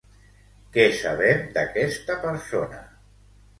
Què sabem d'aquesta persona?